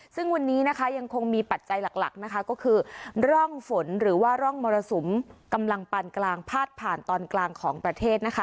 ซึ่งวันนี้นะคะยังคงมีปัจจัยหลักนะคะก็คือร่องฝนหรือว่าร่องมรสุมกำลังปานกลางพาดผ่านตอนกลางของประเทศนะคะ